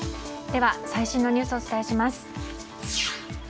では最新のニュースをお伝えします。